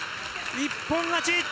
一本勝ち。